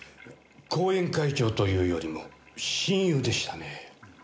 後援会長というよりも親友でしたね。